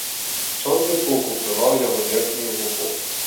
Чорны пух укрываў яго верхнюю губу.